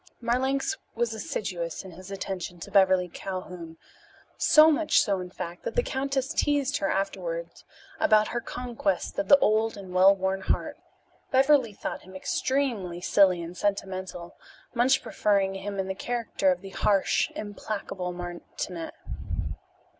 Marlanx was assiduous in his attention to Beverly Calhoun so much so, in fact, that the countess teased her afterwards about her conquest of the old and well worn heart. Beverly thought him extremely silly and sentimental, much preferring him in the character of the harsh, implacable martinet.